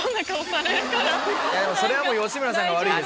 それは吉村さんが悪い。